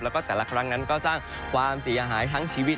แล้วก็แต่ละครั้งนั้นก็สร้างความเสียหายทั้งชีวิต